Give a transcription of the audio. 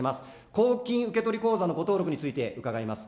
公金受取口座の誤登録について伺います。